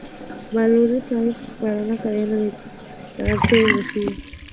Valores hash para una cadena de caracteres vacía.